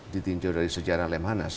ditinjau dari sejarah lemhanas